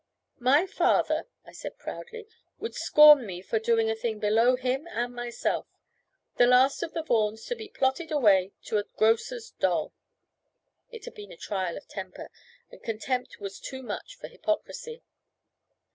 "My father," I said, proudly, "would scorn me for doing a thing below him and myself. The last of the Vaughans to be plotted away to a grocer's doll!" It had been a trial of temper; and contempt was too much for hypocrisy.